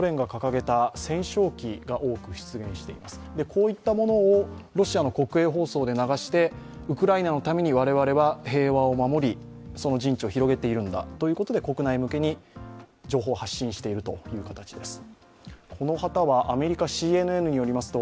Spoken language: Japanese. こういったものをロシアの国営放送で流してウクライナのために我々は平和を守り、その陣地を広げているんだということで国内向けに情報を発信しているという形です。